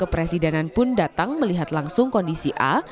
kepresidenan pun datang melihat langsung kondisi a